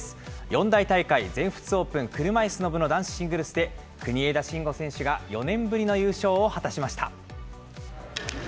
四大大会、全仏オープン車いすの部の男子シングルスで、国枝慎吾選手が４年ぶりの優勝を果たしました。